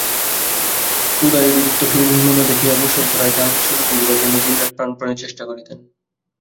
উদয়াদিত্যকে উন্মনা দেখিয়া বসন্ত রায় তাঁহাকে সুখী করিবার জন্য দিনরাত প্রাণপণে চেষ্টা করিতেন।